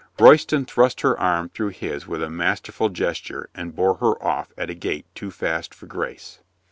Royston thrust her arm through his with a mas terful gesture and bore her off at a gait too fast for grace.